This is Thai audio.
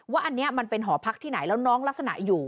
ว่าอันนี้มันเป็นหอพักที่ไหนแล้วน้องลักษณะอยู่